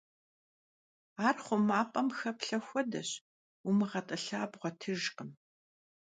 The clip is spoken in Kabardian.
Ar xhumap'em xeplhhe xuedeş ,- vumığet'ılha bğuetıjjkhım.